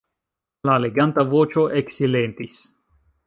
La leganta voĉo eksilentis.